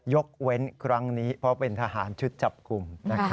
ยกเว้นครั้งนี้เพราะเป็นทหารชุดจับกลุ่ม